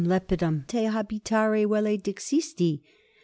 Lepidum te habitare velle dixisti?